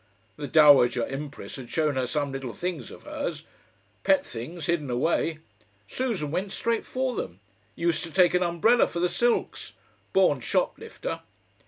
The Dowager Empress had shown her some little things of hers. Pet things hidden away. Susan went straight for them used to take an umbrella for the silks. Born shoplifter."